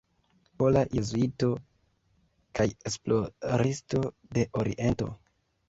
Pola jezuito kaj esploristo de Oriento.